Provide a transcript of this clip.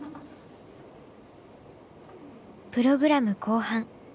プログラム後半。